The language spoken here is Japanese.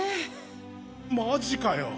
マジかよ？